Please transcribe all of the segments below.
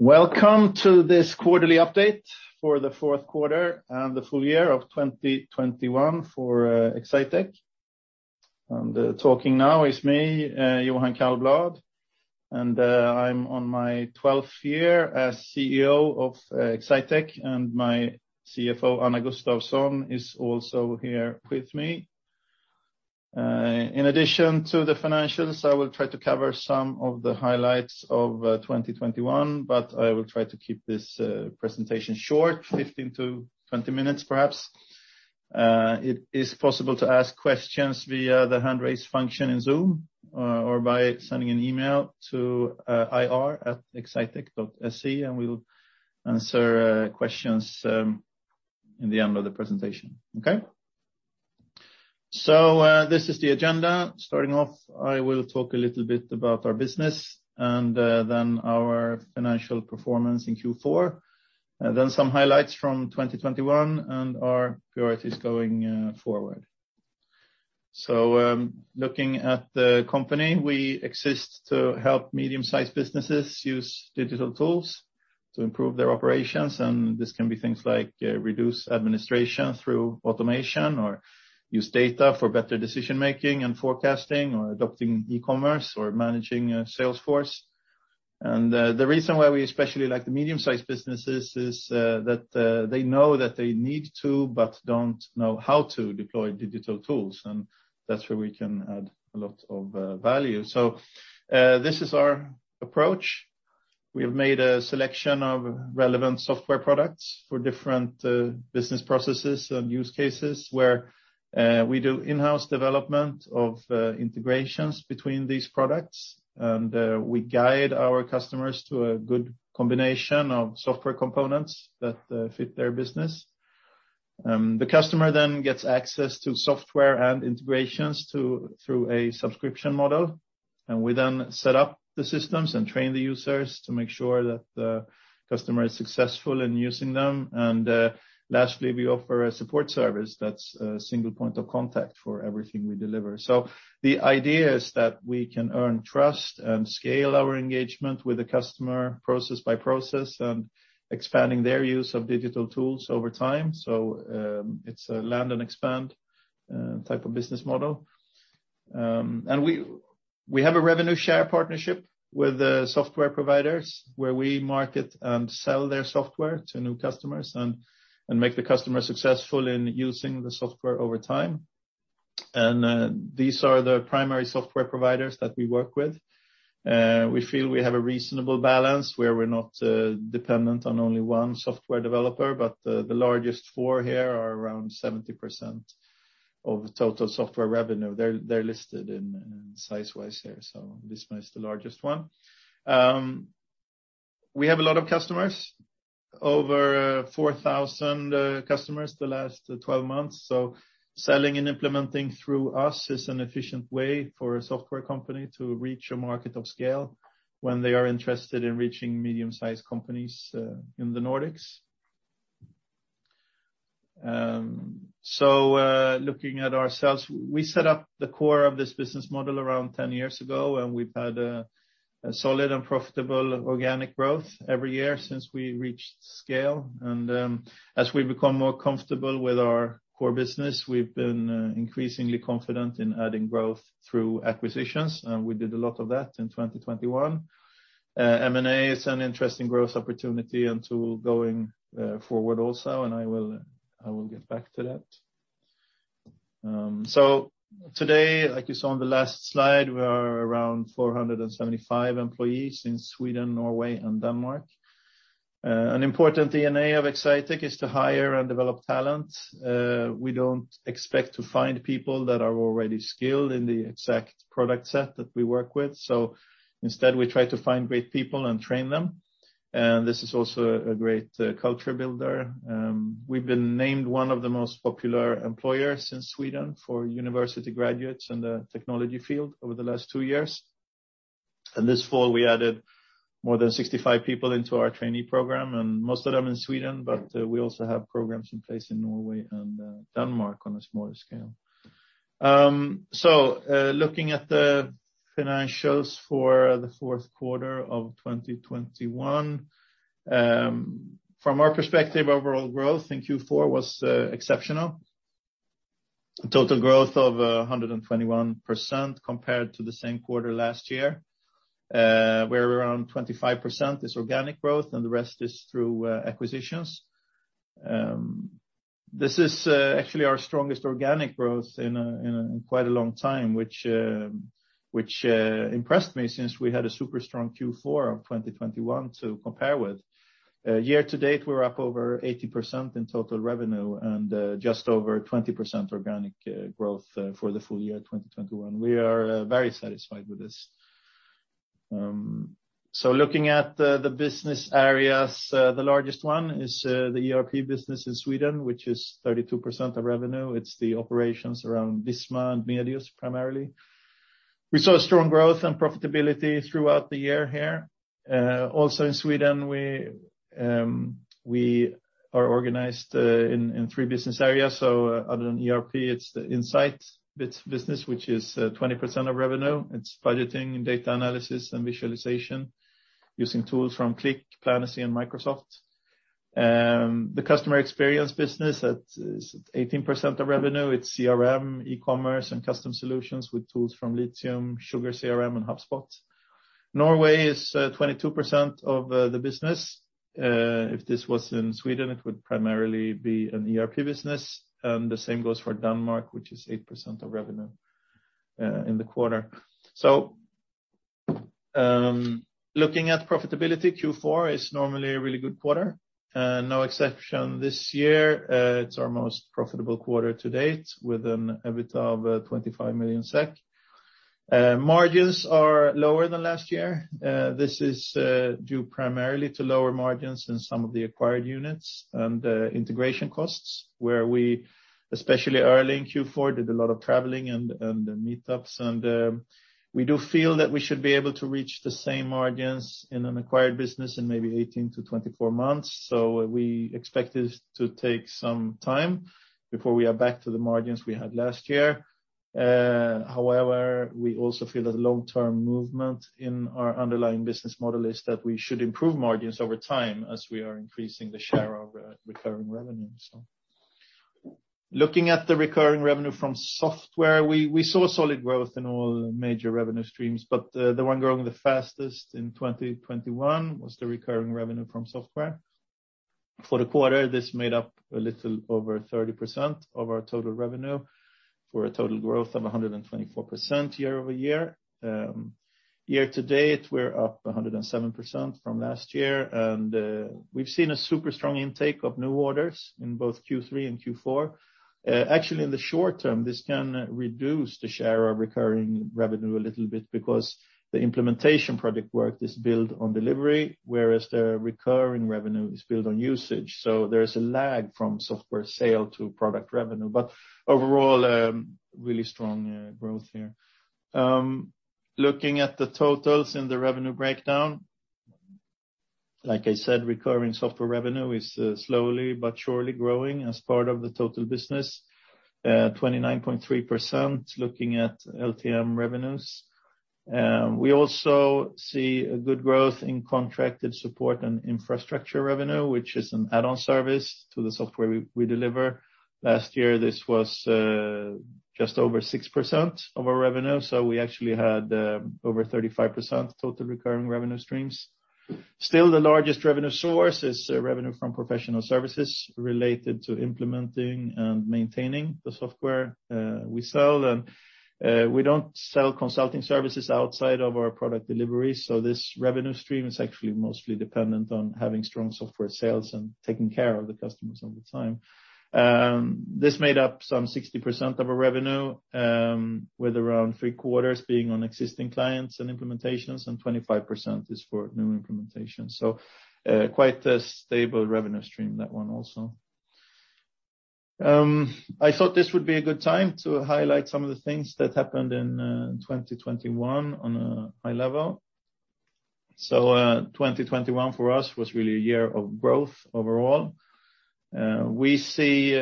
Welcome to this quarterly update for the fourth quarter and the full year of 2021 for Exsitec. Talking now is me, Johan Källblad, and I'm on my 12th year as CEO of Exsitec, and my CFO, Anna Gustafsson, is also here with me. In addition to the financials, I will try to cover some of the highlights of 2021, but I will try to keep this presentation short, 15-20 minutes, perhaps. It is possible to ask questions via the hand raise function in Zoom, or by sending an email to ir@exsitec.se, and we'll answer questions in the end of the presentation. This is the agenda. Starting off, I will talk a little bit about our business and then our financial performance in Q4, and then some highlights from 2021 and our priorities going forward. Looking at the company, we exist to help medium-sized businesses use digital tools to improve their operations, and this can be things like reduce administration through automation or use data for better decision-making and forecasting or adopting e-commerce or managing a sales force. The reason why we especially like the medium-sized businesses is that they know that they need to, but don't know how to deploy digital tools, and that's where we can add a lot of value. This is our approach. We have made a selection of relevant software products for different business processes and use cases where we do in-house development of integrations between these products. We guide our customers to a good combination of software components that fit their business. The customer then gets access to software and integrations through a subscription model, and we then set up the systems and train the users to make sure that the customer is successful in using them. Lastly, we offer a support service that's a single point of contact for everything we deliver. The idea is that we can earn trust and scale our engagement with the customer process by process and expanding their use of digital tools over time. It's a land and expand type of business model. We have a revenue share partnership with the software providers, where we market and sell their software to new customers and make the customer successful in using the software over time. These are the primary software providers that we work with. We feel we have a reasonable balance where we're not dependent on only one software developer, but the largest four here are around 70% of total software revenue. They're listed size-wise here, so Visma is the largest one. We have a lot of customers, over 4,000 customers the last twelve months. Selling and implementing through us is an efficient way for a software company to reach a market of scale when they are interested in reaching medium-sized companies in the Nordics. Looking at ourselves, we set up the core of this business model around 10 years ago, and we've had a solid and profitable organic growth every year since we reached scale. As we become more comfortable with our core business, we've been increasingly confident in adding growth through acquisitions, and we did a lot of that in 2021. M&A is an interesting growth opportunity and tool going forward also, and I will get back to that. Today, like you saw on the last slide, we are around 475 employees in Sweden, Norway, and Denmark. An important DNA of Exsitec is to hire and develop talent. We don't expect to find people that are already skilled in the exact product set that we work with. Instead, we try to find great people and train them. This is also a great culture builder. We've been named one of the most popular employers in Sweden for university graduates in the technology field over the last two years. This fall, we added more than 65 people into our trainee program, and most of them in Sweden, but we also have programs in place in Norway and Denmark on a smaller scale. Looking at the financials for the fourth quarter of 2021, from our perspective, overall growth in Q4 was exceptional. Total growth of 121% compared to the same quarter last year, where around 25% is organic growth and the rest is through acquisitions. This is actually our strongest organic growth in quite a long time, which impressed me since we had a super strong Q4 of 2021 to compare with. Year to date, we're up over 80% in total revenue and just over 20% organic growth for the full year 2021. We are very satisfied with this. Looking at the business areas, the largest one is the ERP business in Sweden, which is 32% of revenue. It's the operations around Visma and Medius primarily. We saw strong growth and profitability throughout the year here. Also in Sweden, we are organized in three business areas. Other than ERP, it's the Insight Business, which is 20% of revenue. It's budgeting and data analysis and visualization using tools from Qlik, Planacy and Microsoft. The customer experience business is 18% of revenue. It's CRM, e-commerce, and custom solutions with tools from Litium, SugarCRM, and HubSpot. Norway is 22% of the business. If this was in Sweden, it would primarily be an ERP business. The same goes for Denmark, which is 8% of revenue in the quarter. Looking at profitability, Q4 is normally a really good quarter, no exception this year. It's our most profitable quarter to date with an EBITDA of 25 million SEK. Margins are lower than last year. This is due primarily to lower margins in some of the acquired units and integration costs, where we, especially early in Q4, did a lot of traveling and meetups, and we do feel that we should be able to reach the same margins in an acquired business in maybe 18-24 months. We expect this to take some time before we are back to the margins we had last year. However, we also feel that the long-term movement in our underlying business model is that we should improve margins over time as we are increasing the share of recurring revenue. Looking at the recurring revenue from software, we saw solid growth in all major revenue streams, but the one growing the fastest in 2021 was the recurring revenue from software. For the quarter, this made up a little over 30% of our total revenue for a total growth of 124% year-over-year. Year to date, we're up 107% from last year. We've seen a super strong intake of new orders in both Q3 and Q4. Actually, in the short term, this can reduce the share of recurring revenue a little bit because the implementation project work is built on delivery, whereas the recurring revenue is built on usage. There's a lag from software sale to product revenue, but overall, a really strong growth here. Looking at the totals in the revenue breakdown, like I said, recurring software revenue is slowly but surely growing as part of the total business, 29.3% looking at LTM revenues. We also see a good growth in contracted support and infrastructure revenue, which is an add-on service to the software we deliver. Last year, this was just over 6% of our revenue, so we actually had over 35% total recurring revenue streams. Still, the largest revenue source is revenue from professional services related to implementing and maintaining the software we sell. We don't sell consulting services outside of our product delivery, so this revenue stream is actually mostly dependent on having strong software sales and taking care of the customers all the time. This made up some 60% of our revenue, with around three-quarters being on existing clients and implementations, and 25% is for new implementations. Quite a stable revenue stream, that one also. I thought this would be a good time to highlight some of the things that happened in 2021 on a high level. 2021 for us was really a year of growth overall. We see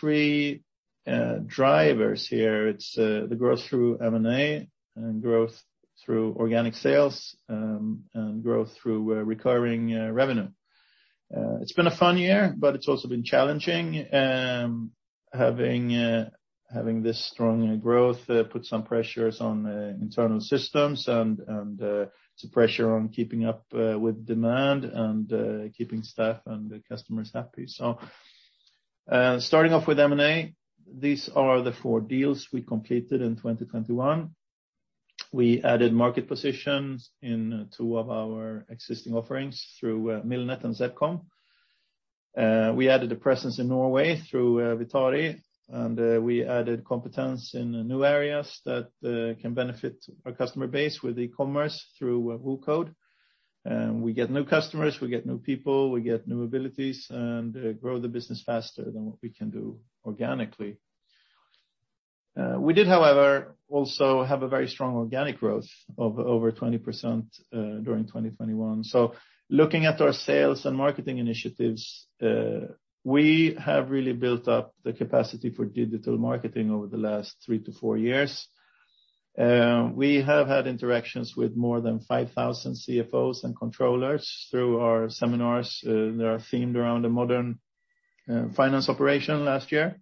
three drivers here. It's the growth through M&A and growth through organic sales, and growth through recurring revenue. It's been a fun year, but it's also been challenging. Having this strong growth put some pressures on internal systems and some pressure on keeping up with demand and keeping staff and the customers happy. Starting off with M&A, these are the four deals we completed in 2021. We added market positions in two of our existing offerings through Millnet and. We added a presence in Norway through, and we added competence in new areas that can benefit our customer base with e-commerce through WooCode. We get new customers, we get new people, we get new abilities, and grow the business faster than what we can do organically. We did, however, also have a very strong organic growth of over 20% during 2021. Looking at our sales and marketing initiatives, we have really built up the capacity for digital marketing over the last three yo four years. We have had interactions with more than 5,000 CFOs and controllers through our seminars. They are themed around a modern finance operation last year.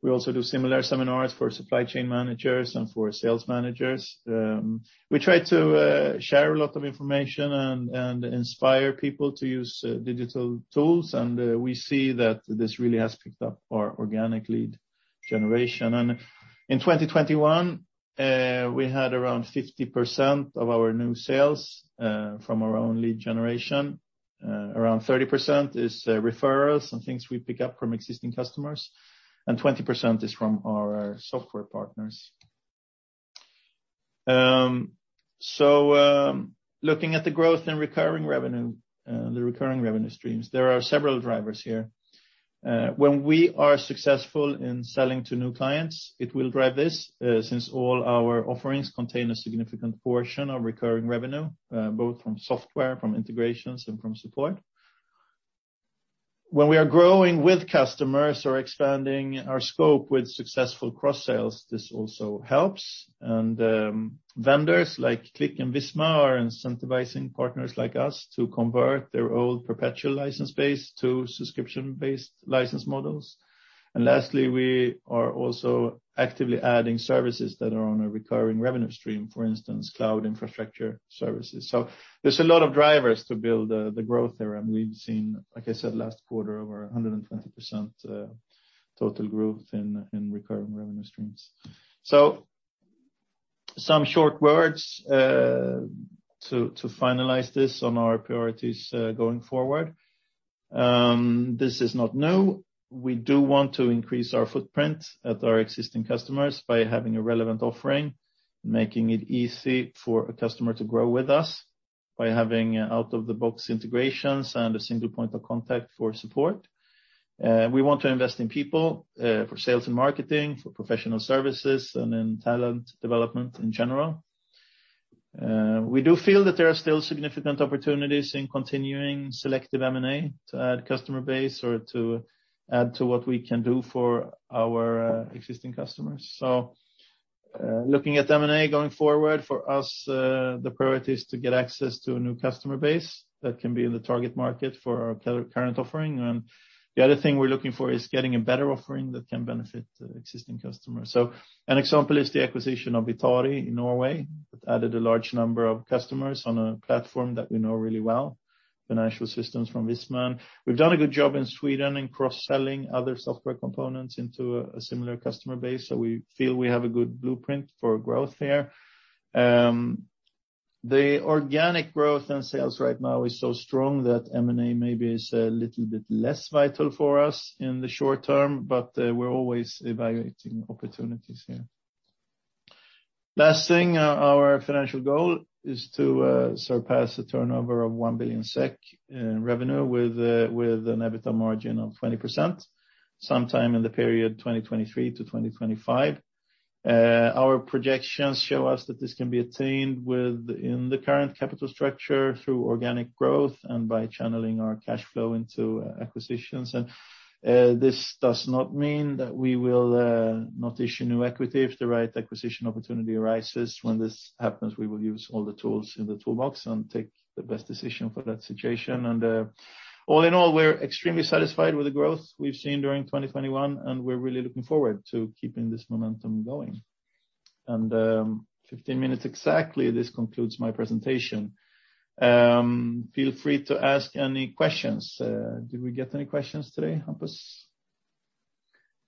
We also do similar seminars for supply chain managers and for sales managers. We try to share a lot of information and inspire people to use digital tools, and we see that this really has picked up our organic lead generation. In 2021, we had around 50% of our new sales from our own lead generation. Around 30% is referrals and things we pick up from existing customers, and 20% is from our software partners. Looking at the growth in recurring revenue, the recurring revenue streams, there are several drivers here. When we are successful in selling to new clients, it will drive this, since all our offerings contain a significant portion of recurring revenue, both from software, from integrations, and from support. When we are growing with customers or expanding our scope with successful cross-sales, this also helps. Vendors like Qlik and Visma are incentivizing partners like us to convert their old perpetual license base to subscription-based license models. Lastly, we are also actively adding services that are on a recurring revenue stream, for instance, cloud infrastructure services. There's a lot of drivers to build the growth there, and we've seen, like I said, last quarter over 120% total growth in recurring revenue streams. Some short words to finalize this on our priorities going forward. This is not new. We do want to increase our footprint at our existing customers by having a relevant offering, making it easy for a customer to grow with us by having out-of-the-box integrations and a single point of contact for support We want to invest in people, for sales and marketing, for professional services, and in talent development in general. We do feel that there are still significant opportunities in continuing selective M&A to add customer base or to add to what we can do for our, existing customers. Looking at M&A going forward, for us, the priority is to get access to a new customer base that can be in the target market for our current offering. The other thing we're looking for is getting a better offering that can benefit, existing customers. An example is the acquisition of in Norway. It added a large number of customers on a platform that we know really well, financial systems from Visma. We've done a good job in Sweden in cross-selling other software components into a similar customer base, so we feel we have a good blueprint for growth there. The organic growth in sales right now is so strong that M&A maybe is a little bit less vital for us in the short term, but we're always evaluating opportunities here. Last thing, our financial goal is to surpass a turnover of 1 billion SEK in revenue with an EBITDA margin of 20% sometime in the period 2023-2025. Our projections show us that this can be attained in the current capital structure through organic growth and by channeling our cash flow into acquisitions. This does not mean that we will not issue new equity if the right acquisition opportunity arises. When this happens, we will use all the tools in the toolbox and take the best decision for that situation. All in all, we're extremely satisfied with the growth we've seen during 2021, and we're really looking forward to keeping this momentum going. 15 minutes exactly, this concludes my presentation. Feel free to ask any questions. Did we get any questions today, Hampus?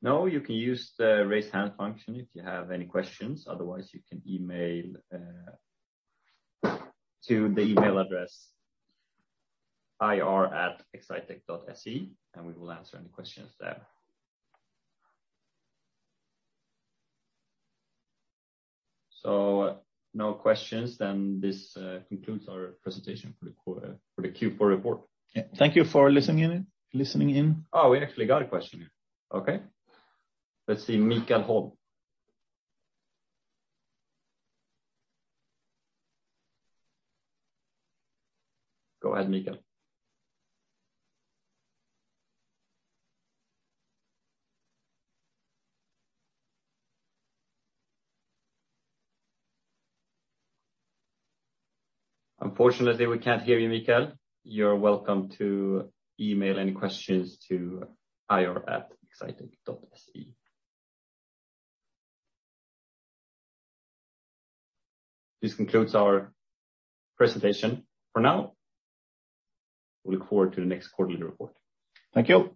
No. You can use the Raise Hand function if you have any questions. Otherwise, you can email to the email address ir@exsitec.se, and we will answer any questions there. No questions, then this concludes our presentation for the Q4 report. Yeah. Thank you for listening in. Oh, we actually got a question in. Okay. Let's see. Niklas Ek. Go ahead, Niklas. Unfortunately, we can't hear you, Niklas. You're welcome to email any questions to ir@exsitec.se. This concludes our presentation for now. We look forward to the next quarterly report. Thank you.